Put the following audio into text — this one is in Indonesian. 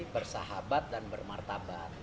bersahabat dan bermartabat